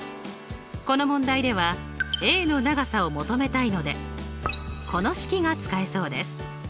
この問題ではの長さを求めたいのでこの式が使えそうです。